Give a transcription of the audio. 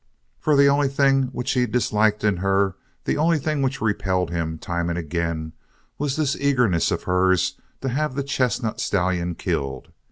For the only thing which he disliked in her, the only thing which repelled him time and again, was this eagerness of hers to have the chestnut stallion killed.